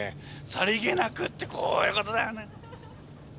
さりげなくってこういうことだよね。